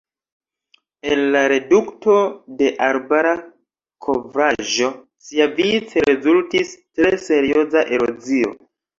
El la redukto de arbara kovraĵo siavice rezultis tre serioza erozio.